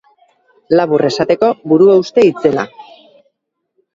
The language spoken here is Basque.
Labur esateko, buruhauste itzela.